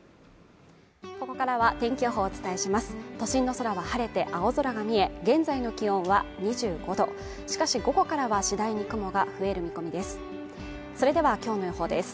ここからは天気予報をお伝えします都心の空は晴れて青空が見え現在の気温は２５度しかし午後からは次第に雲が増える見込みです